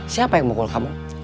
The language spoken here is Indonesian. siapa yang mukul kamu